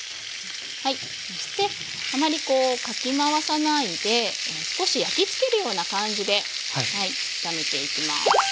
そしてたまにこうかき回さないで少し焼きつけるような感じで炒めていきます。